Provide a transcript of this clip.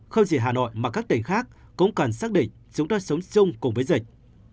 không chỉ hà nội mà các tỉnh khác cũng cần xác định chúng ta sống chung cùng với dịch